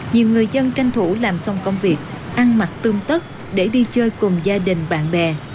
nhiều người dân tranh thủ làm xong công việc ăn mặc tư tất để đi chơi cùng gia đình bạn bè